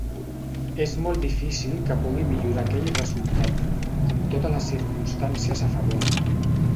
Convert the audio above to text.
És molt difícil que pugui millorar aquell resultat, amb totes les circumstàncies a favor.